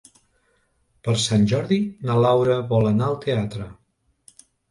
Per Sant Jordi na Laura vol anar al teatre.